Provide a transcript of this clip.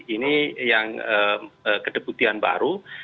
ini yang kedebutian baru